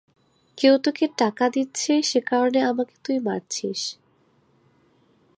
কেউ তোকে টাকা দিচ্ছে সেকারণে আমাকে তুই মারছিস।